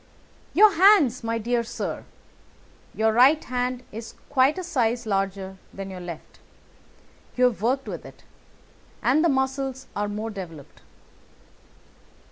"Your hands, my dear sir. Your right hand is quite a size larger than your left. You have worked with it, and the muscles are more developed."